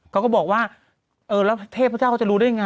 ก็บอกว่าเออแล้วเทพเจ้าเขาจะรู้ได้ไง